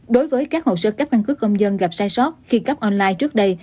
đối với các hồ sơ cấp căn cứ công dân gặp sai sót khi cấp online trước đây